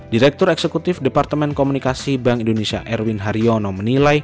direktur eksekutif departemen komunikasi bank indonesia erwin haryono menilai